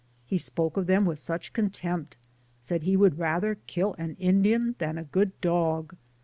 He spoke of them with such con tempt; said he would rather kill an Indian than a good dog.